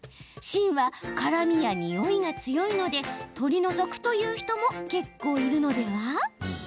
芯は辛みやにおいが強いので取り除くという人も結構いるのでは？